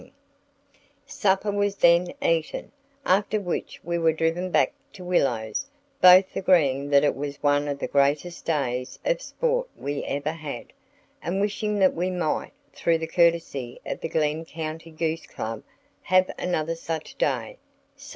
Note the Automatic Gun "Supper was then eaten, after which we were driven back to Willows; both agreeing that it was one of the greatest days of sport we ever had, and wishing that we might, through the courtesy of the Glenn County Goose Club, have another such day.